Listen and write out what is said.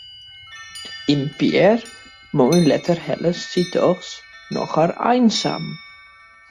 In pear moanne letter hellet se dochs noch har eineksamen.